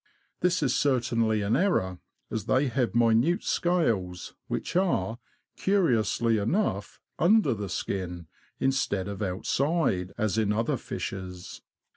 This is certainly an error, as they have minute scales, which are, curiously enough, under the skin^ instead of outside, as in other fishes.